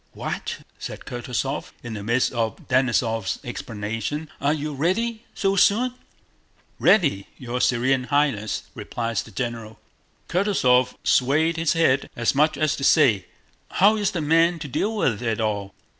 "What?" said Kutúzov, in the midst of Denísov's explanations, "are you ready so soon?" "Ready, your Serene Highness," replied the general. Kutúzov swayed his head, as much as to say: "How is one man to deal with it all?"